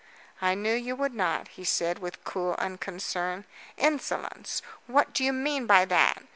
"I knew you would not," he said, with cool unconcern. "Insolence! What do you mean by that?"